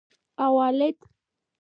اوالد